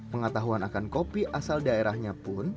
pengetahuan akan kopi asal daerahnya pun